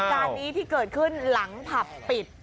การนี้ที่เกิดขึ้นหลังผับปิด